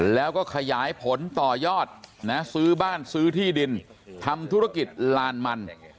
แล้วก็ขยายผลต่อยอดนะซื้อบ้านซื้อที่ดินทำธุรกิจลานมัน